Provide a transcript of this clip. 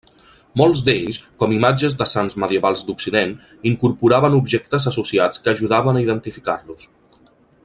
Molts d'ells, com imatges de sants medievals d'occident, incorporaven objectes associats que ajudaven a identificar-los.